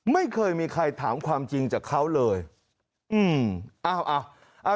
ไม่เคยมีใครถามความจริงจากเขาเลยอืมอ้าว